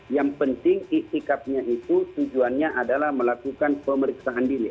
yang penting isikatnya itu tujuannya adalah melakukan pemeriksaan diri